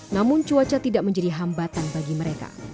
namun cuaca tidak menjadi hambatan bagi mereka